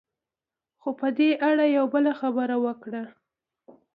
خو هغه په دې اړه يوه بله خبره وکړه.